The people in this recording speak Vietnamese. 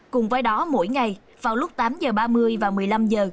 cùng với đó mỗi ngày vào lúc tám giờ ba mươi và một mươi năm h